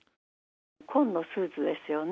紺のスーツですよね。